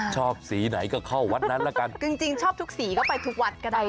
ชอบสีไหนก็เข้าวัดนั้นละกันจริงจริงชอบทุกสีก็ไปทุกวัดก็ได้